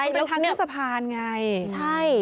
เป็นทั้งทั่วสะพานไง